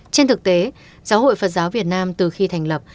trên thực tế giáo hội phật giáo việt nam từ khi thành lập